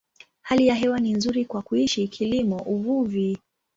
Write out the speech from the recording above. Hali ya hewa ni nzuri kwa kuishi, kilimo, uvuvi.